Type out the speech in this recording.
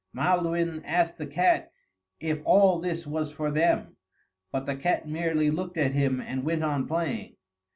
Maelduin asked the cat if all this was for them; but the cat merely looked at him and went on playing.